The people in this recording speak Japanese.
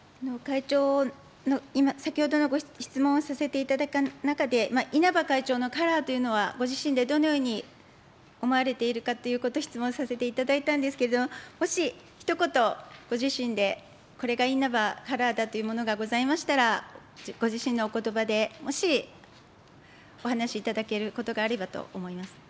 先ほどのご質問をさせていただく中で、稲葉会長のカラーというのは、ご自身でどのように思われているかということを質問させていただいたんですけれども、もしひと言、ご自身でこれが稲葉カラーだというものがございましたら、ご自身のおことばで、もしお話しいただけることがあればと思います。